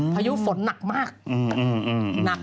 พายุฝนหนักมาก